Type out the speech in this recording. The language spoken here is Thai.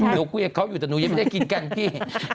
หนูคุยกับเขาอยู่แต่หนูยังไม่ได้กินกันพี่